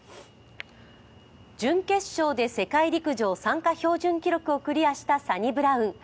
準決勝で世界陸上参加標準記録をクリアしたサニブラウン。